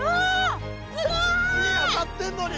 火当たってんのに！